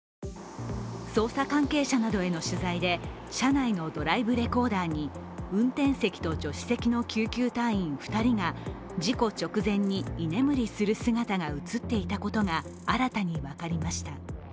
捜査関係者などへの取材で車内のドライブレコーダーに運転席と助手席の救急隊員２人が事故直前に居眠りする姿が映っていたことが新たに分かりました。